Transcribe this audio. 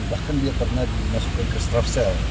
bahkan dia pernah dimasukkan ke strafsel